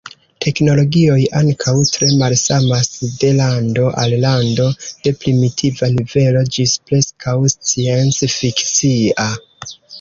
Teknologioj ankaŭ tre malsamas de lando al lando, de primitiva nivelo ĝis preskaŭ scienc-fikcia.